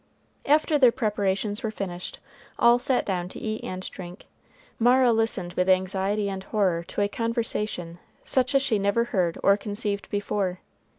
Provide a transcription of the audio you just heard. After their preparations were finished, all sat down to eat and drink. Mara listened with anxiety and horror to a conversation such as she never heard or conceived before.